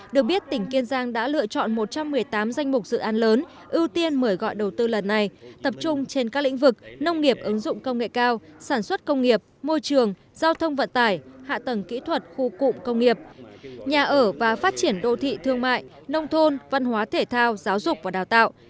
được biết tỉnh kiên giang đã lựa chọn một trăm một mươi tám danh mục dự án lớn ưu tiên mời gọi đầu tư lần này tập trung trên các lĩnh vực nông nghiệp ứng dụng công nghệ cao sản xuất công nghiệp môi trường giao thông vận tải hạ tầng kỹ thuật khu cụm công nghiệp nhà ở và phát triển đô thị thương mại nông thôn văn hóa thể thao giáo dục và đào tạo